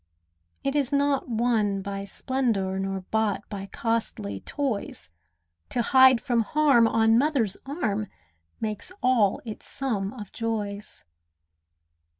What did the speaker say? It is not won by splendour, Nor bought by costly toys; To hide from harm on mother's arm Makes all its sum of joys.